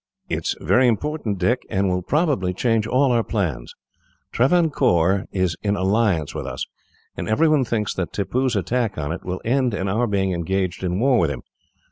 "It is very important, Dick, and will probably change all our plans. Travancore is in alliance with us, and every one thinks that Tippoo's attack on it will end in our being engaged in war with him.